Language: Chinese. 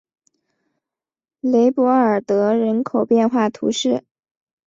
雷博尔德人口变化图示